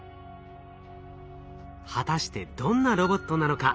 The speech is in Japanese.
果たしてどんなロボットなのか？